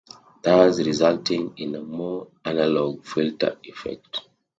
Thus resulting in a more 'analogue' filter effect.